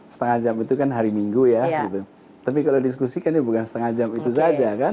setengah jam itu kan hari minggu ya tapi kalau diskusi kan bukan setengah jam itu saja kan